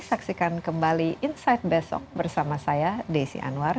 saksikan kembali insight besok bersama saya desi anwar